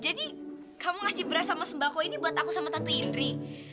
jadi kamu beras dan sembal buat aku dan tante indri